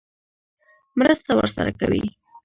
مرسته ورسره کوي.